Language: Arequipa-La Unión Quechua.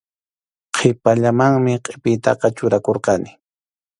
Qhipallamanmi qʼipiytaqa churakurqani.